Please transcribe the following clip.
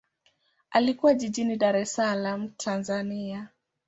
Alikulia jijini Dar es Salaam, Tanzania.